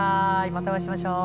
またお会いしましょう。